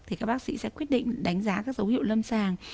thì các bác sĩ sẽ quyết định đánh giá các dấu hiệu lâm sàng